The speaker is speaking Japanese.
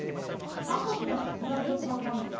パソとよんでください。